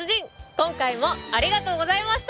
今回もありがとうございました！